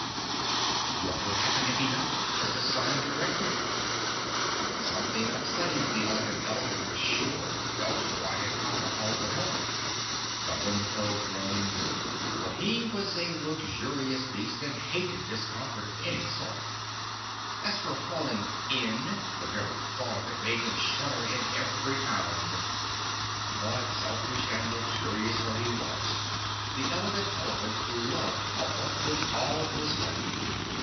What would happen if he knocked, as the sign directed? Something upsetting, the Elegant Elephant was sure, else why had Pompa called for help? Kabumpo groaned, for he was a luxurious beast and hated discomfort of any sort. As for falling in—the very thought of it made him shudder in every pound. But selfish and luxurious though he was, the Elegant Elephant loved Pompa with all his heart.